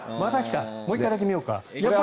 もう１回だけ見ようか。